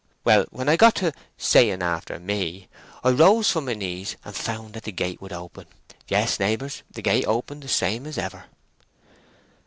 Well, when I got to Saying After Me, I rose from my knees and found the gate would open—yes, neighbours, the gate opened the same as ever."